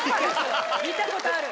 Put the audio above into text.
見たことある！